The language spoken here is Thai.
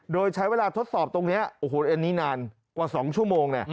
โดยใช้เวลาทดสอบตรงนี้โอ้โหอันนี้นานกว่า๒ชั่วโมง